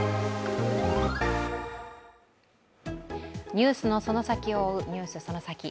ニュースのその先を追う「ＮＥＷＳそのサキ！」。